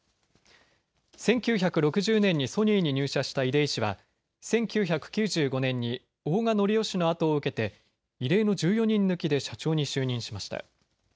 １９６０年にソニーに入社した出井氏は１９９５年に大賀典雄氏のあとを受けて異例の１４人抜きで社長に就任しました。